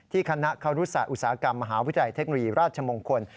คณะครุศาสตอุตสาหกรรมมหาวิทยาลัยเทคโนโลยีราชมงคล